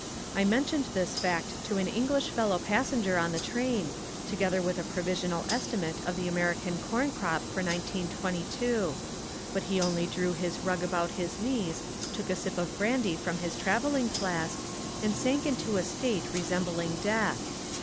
I mentioned this fact to an English fellow passenger on the train, together with a provisional estimate of the American corn crop for 1922: but he only drew his rug about his knees, took a sip of brandy from his travelling flask, and sank into a state resembling death.